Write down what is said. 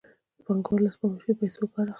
پانګوال له سپما شویو پیسو کار اخلي